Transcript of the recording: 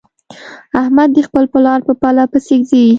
احمد د خپل پلار په پله پسې ځي.